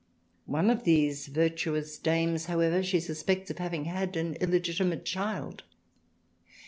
One of these virtuous dames, however, she suspects of having had an illegitimate child.